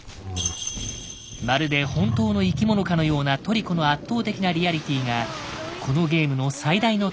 まるで本当の生き物かのようなトリコの圧倒的なリアリティがこのゲームの最大の特徴。